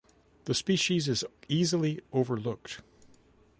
The species is easily overlooked.